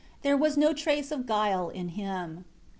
There was no trace of guile in him.